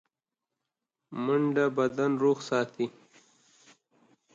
منډه بدن روغ ساتي